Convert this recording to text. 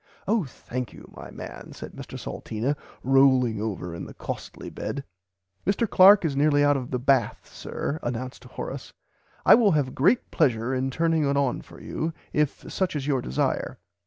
Oh thank you my man said Mr Salteena rolling over in the costly bed. Mr Clark is nearly out of the bath sir announced Horace I will have great pleasure in turning it on for you if such is your desire.